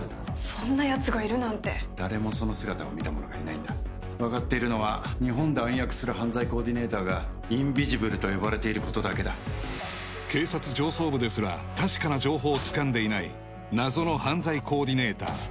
そんなやつがいるなんて誰もその姿を見た者がいないんだわかっているのは日本で暗躍する犯罪コーディネーターがインビジブルと呼ばれていることだけだ警察上層部ですら確かな情報をつかんでいない謎の犯罪コーディネーター